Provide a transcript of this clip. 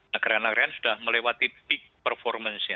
negara negara yang sudah melewati peak performance nya